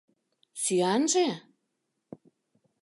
— Сӱанже?